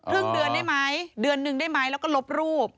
หรือแค่ครึ่งเดือนไหมเดือนในนึงได้มั้ยแล้วก็ลบรูป